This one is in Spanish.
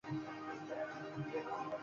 Es habitual servirlo con hielo en cubitos.